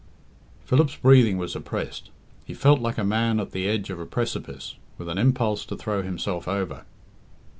Philip's breathing was oppressed. He felt like a man at the edge of a precipice, with an impulse to throw himself over.